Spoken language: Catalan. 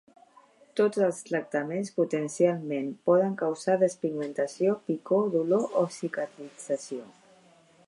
Tots els tractaments potencialment poden causar despigmentació, picor, dolor o cicatrització.